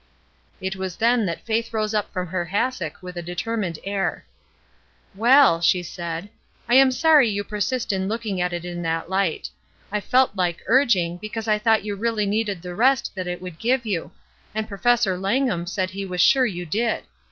'' It was then that Faith rose up from her hassock with a determined air. ''Well/* she said, ''I am sorry you persist in looking at it in that hght. I felt Uke urging, because I thought you really needed the rest that it would give you ; and Professor Langham said he was sure you did.